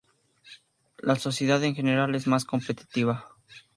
La sociedad en general es más competitiva.